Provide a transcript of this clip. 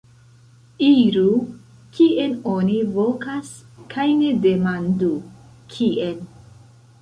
Iru, kien oni vokas kaj ne demandu: kien?